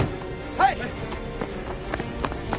はい！